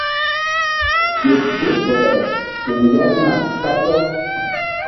Ƴo gbur bɔɓe ke ŋgerna kandɔk.